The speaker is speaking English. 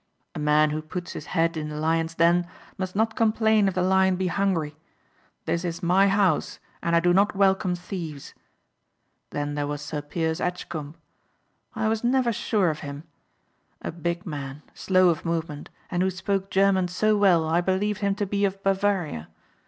"A man who puts his head in the lion's den must not complain if the lion be hungry. This is my house and I do not welcome thieves. Then there was Sir Piers Edgcomb. I was never sure of him. A big man, slow of movement and who spoke German so well I believed him to be of Bavaria.